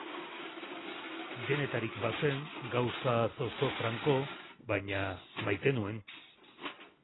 Denetarik bazen, gauza zozo franko, baina maite nuen.